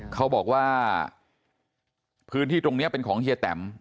เขาบอกว่าพื้นที่ตรงนี้เป็นของเฮียแตม